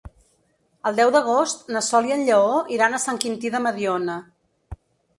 El deu d'agost na Sol i en Lleó iran a Sant Quintí de Mediona.